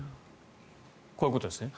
こういうことですね。